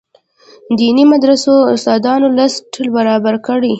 دیني مدرسو استادانو لست برابر کړي.